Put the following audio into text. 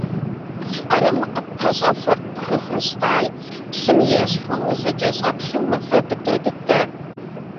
Къырым къыппэщӏэхуэрт бгы хрусталь – псым ещхьу узэкӏэщӏэплъу мывэ быдэ дыдэ.